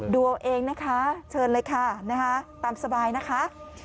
ดูเอาเองนะคะเชิญเลยค่ะนะคะตามสบายนะคะ